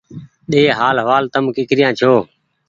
ۮي حآل حوال تم ڪيکريآن ڇوٚنٚ